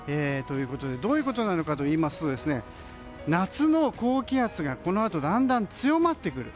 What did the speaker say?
どういうことなのかというと夏の高気圧がこのあとだんだん強まってくる。